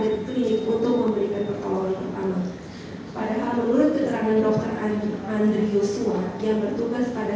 dan tidak semata mata terpengaruh dengan dirinya masa